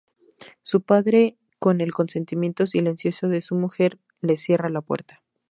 Su padre, con el consentimiento silencioso de su mujer, le cierra la puerta.